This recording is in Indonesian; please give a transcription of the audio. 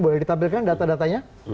boleh ditampilkan data datanya